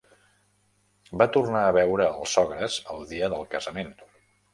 Va tornar a veure els sogres el dia del casament.